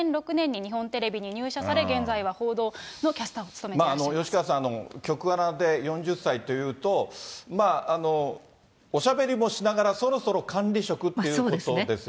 ２００６年に日本テレビに入社され、現在は報道のキャスターを務吉川さん、局アナで４０歳というと、おしゃべりもしながらそろそろ管理職っていうことですよ